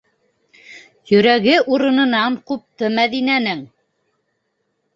Йөрәге урынынан ҡупты Мәҙинәнең.